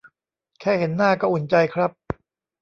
แค่เห็นหน้าก็อุ่นใจครับ